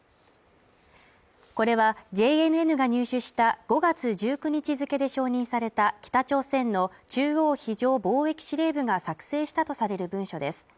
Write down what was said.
これはＪＮＮが入手した５月１９日付けで承認された北朝鮮の中央非常防疫司令部が作成したとされる文書です。